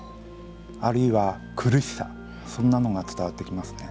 あるいは、苦しさそんなのが伝わってきますね。